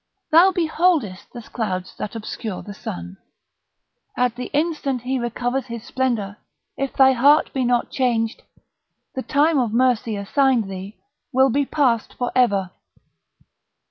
Thou beholdest the clouds that obscure the sun; at the instant he recovers his splendour, if thy heart be not changed, the time of mercy assigned thee will be past for ever."